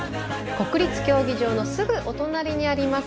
国立競技場のすぐお隣にあります